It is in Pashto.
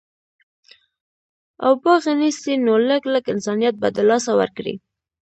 او باغي نسي نو لږ، لږ انسانيت به د لاسه ورکړي